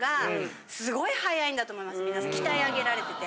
皆さん鍛え上げられてて。